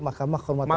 mahkamah kehormatan mk